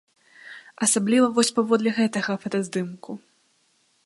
Асабліва вось паводле гэтага фатаздымку.